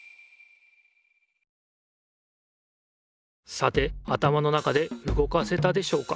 さて頭の中でうごかせたでしょうか？